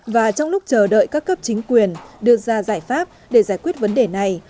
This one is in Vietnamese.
và trong lúc chờ đợi các cấp chính quyền đưa ra giải pháp để giải quyết vấn đề này